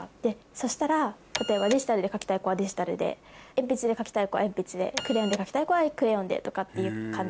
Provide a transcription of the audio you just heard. そしたらデジタルで描きたい子はデジタルで鉛筆で描きたい子は鉛筆でクレヨンで描きたい子はクレヨンでとかっていう感じに。